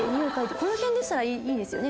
この辺でしたらいいですよね？